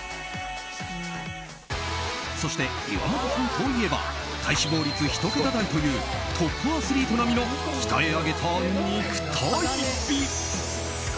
そして、岩本さんといえば体脂肪率１桁台というトップアスリート並みの鍛え上げた肉体美。